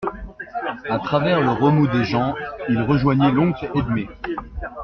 A travers le remous des gens, il rejoignit l'oncle Edme.